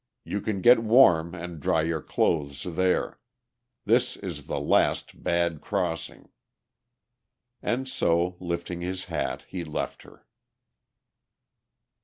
You can get warm and dry your clothes there. This is the last bad crossing." And so, lifting his hat, he left her.